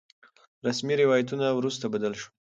رسمي روايتونه وروسته بدل شول.